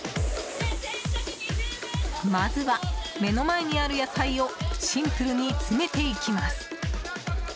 まずは、目の前にある野菜をシンプルに詰めていきます。